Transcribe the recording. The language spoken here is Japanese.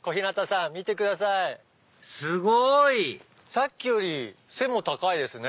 さっきより背も高いですね。